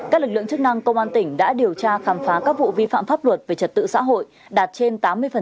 các lực lượng chức năng công an tỉnh đã điều tra khám phá các vụ vi phạm pháp luật về trật tự xã hội đạt trên tám mươi